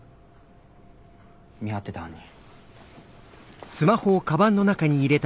見張ってて犯人。